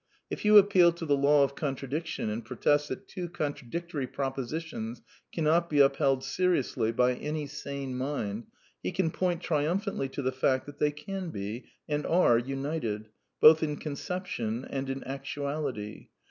If you appeal to the Law of Contradiction, and protest that two contradictory propositions cannot be up held seriously by any sane mind, he can point trium phantly to the fact that they can be, and are, united, both in conception and in actuality.